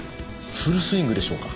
フルスイングでしょうか？